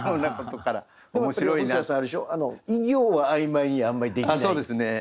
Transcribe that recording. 医業は曖昧にあんまりできない。